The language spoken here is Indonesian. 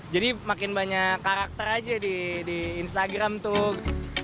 jadi makin banyak karakter aja di instagram tuh